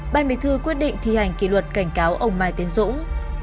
bàn bí thư quyết định thi hành kỳ luật cảnh cáo ông mai tiến dũng